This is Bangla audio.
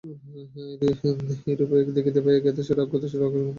এইরূপে দেখিতে পাই, জ্ঞাতসারে বা অজ্ঞাতসারে সমগ্র জগৎ সেই লক্ষ্যের দিকে অগ্রসর হইতেছে।